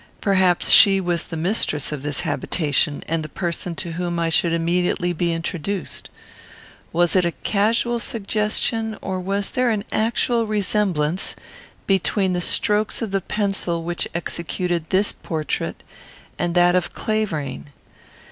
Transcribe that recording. Perhaps she was the mistress of this habitation, and the person to whom I should immediately be introduced. Was it a casual suggestion, or was there an actual resemblance between the strokes of the pencil which executed this portrait and that of Clavering?